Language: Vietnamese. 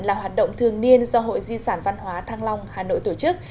là hoạt động thường niên do hội di sản văn hóa thăng long hà nội tổ chức